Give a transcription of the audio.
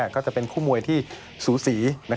ก็จะเป็นคู่มวยที่สูสี